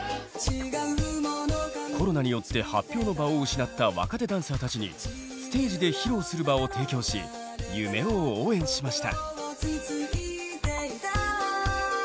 コロナによって発表の場を失った若手ダンサーたちにステージで披露する場を提供し夢を応援しました。